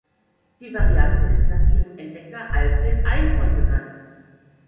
Die Variante ist nach ihrem Entdecker Alfred Einhorn benannt.